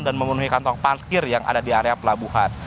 dan memenuhi kantong pangkir yang ada di area pelabuhan